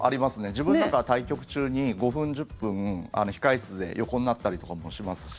自分なんかは対局中に５分、１０分控室で横になったりとかもしますし。